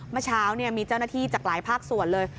เมื่อเช้ามีเจ้าหน้าที่จากหลายภาคส่วนเลย